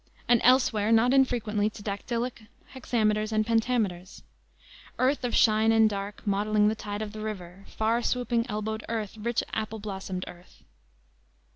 and elsewhere not infrequently to dactylic hexameters and pentameters: "Earth of shine and dark, mottling the tide of the river! ... Far swooping, elbowed earth! rich, apple blossomed earth."